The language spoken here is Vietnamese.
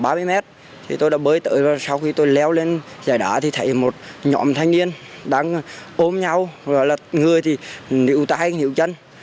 khoảng ba mươi mét thì tôi đã bơi tới và sau khi tôi leo lên dài đá thì thấy một nhóm thanh niên đang ôm nhau và là người thì nịu tay nịu chân